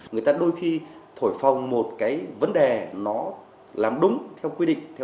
người ta đôi khi thổi phòng một vấn đề nó làm đúng theo quy định